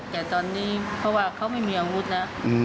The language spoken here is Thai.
แต่ตอนนี้เพราะว่าเขาไม่มีอาวุธแล้ว